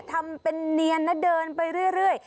ทำเป็นเนียนนะเดินไปเรื่อย